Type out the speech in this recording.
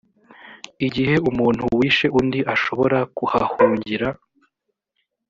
igihe umuntu wishe undi ashobora kuhahungira